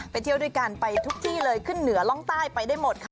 เที่ยวด้วยกันไปทุกที่เลยขึ้นเหนือร่องใต้ไปได้หมดค่ะ